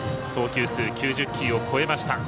投球数９０球を超えました。